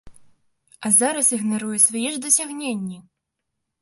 А зараз ігнаруе свае ж дасягненні!